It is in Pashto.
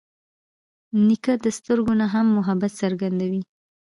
نیکه د سترګو نه هم محبت څرګندوي.